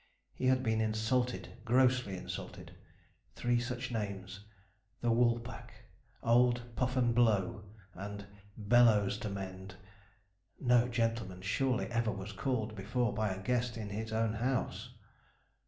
He had been insulted grossly insulted. Three such names the 'Woolpack,' 'Old puff and blow,' and 'Bellows to mend' no gentleman, surely, ever was called before by a guest, in his own house.